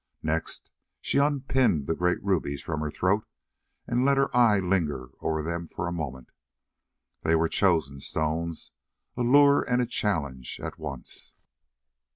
Next she unpinned the great rubies from her throat and let her eye linger over them for a moment. They were chosen stones, a lure and a challenge at once.